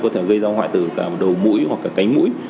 có thể gây ra hoại tử cả đầu mũi hoặc là cánh mũi